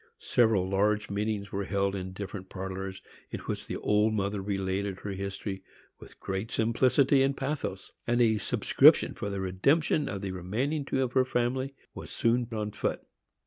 Several large meetings were held in different parlors, in which the old mother related her history with great simplicity and pathos, and a subscription for the redemption of the remaining two of her family was soon on foot.